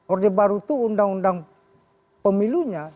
orde baru itu undang undang pemilunya